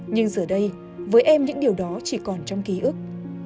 nhưng giờ đây với em những điều đó chỉ còn trong ký ức